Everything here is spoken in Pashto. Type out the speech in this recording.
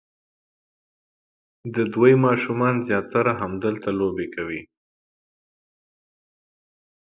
د دوی ماشومان زیاتره همدلته لوبې کوي.